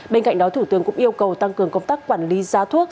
bên cạnh đó thủ tướng cũng yêu cầu tăng cường công tác quản lý giá thuốc